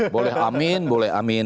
boleh amin boleh amin